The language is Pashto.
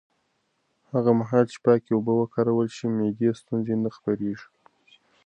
هغه مهال چې پاکې اوبه وکارول شي، معدي ستونزې نه خپرېږي.